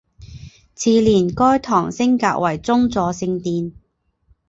次年该堂升格为宗座圣殿。